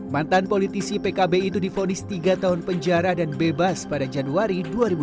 mantan politisi pkb itu difonis tiga tahun penjara dan bebas pada januari dua ribu dua puluh